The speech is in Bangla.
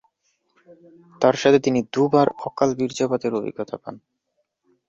তার সাথে, তিনি দু'বার অকাল বীর্যপাতের অভিজ্ঞতা পান।